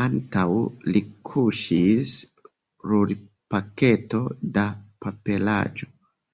Antaŭ li kuŝis rulpaketo da paperaĵo.